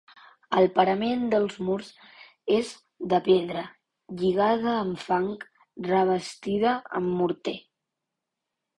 El parament dels murs és de pedra lligada amb fang revestida amb morter.